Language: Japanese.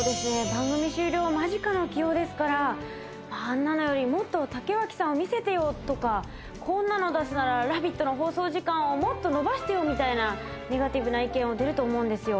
番組終了間近の起用ですから「あんなのよりもっと竹脇さんを見せてよ」とか「こんなの出すなら「ラヴィット！」の放送時間をもっと延ばしてよ」みたいなネガティブな意見も出ると思うんですよ